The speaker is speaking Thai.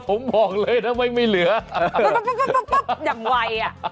ผมบอกเลยทำไมไม่เหลืออย่างไวอ่ะ